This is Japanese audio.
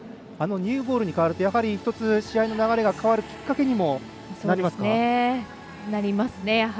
ニューボールに変わると１つ試合の流れが変わるなりますね。